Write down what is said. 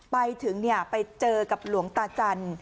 ไปถึงไปเจอกับหลวงตาจันทร์